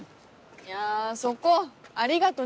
いやそこ「ありがとね」